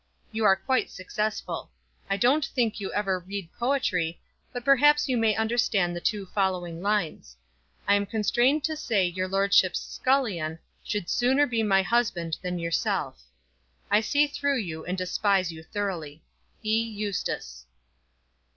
You are quite successful. I don't think you ever read poetry, but perhaps you may understand the two following lines: "I am constrained to say, your lordship's scullion Should sooner be my husband than yourself." I see through you, and despise you thoroughly. E. EUSTACE.